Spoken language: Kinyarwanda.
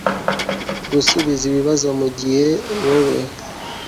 gusubiza ibibazo mu gihe wowe